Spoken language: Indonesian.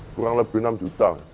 kurang lebih enam juta